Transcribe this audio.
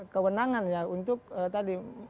memuluskan dua calon